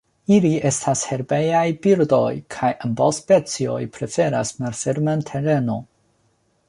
Ili estas herbejaj birdoj kaj ambaŭ specioj preferas malferman terenon.